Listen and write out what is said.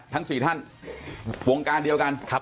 ทั้ง๔ท่านวงการเดียวกัน